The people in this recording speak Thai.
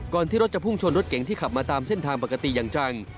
ที่รถจะพุ่งชนรถเก๋งที่ขับมาตามเส้นทางปกติอย่างจัง